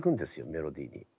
メロディーに。